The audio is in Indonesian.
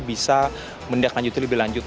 bisa mendiak lanjut lebih lanjut